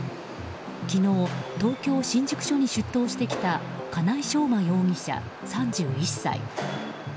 昨日、東京・新宿署に出頭してきた金井将馬容疑者、３１歳。